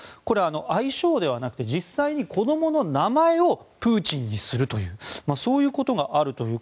愛称ではなくて実際に子供の名前をプーチンにするというそういうことがあるという。